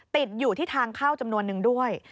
ติดอยู่ที่ทางเข้าจำนวนนึงด้วย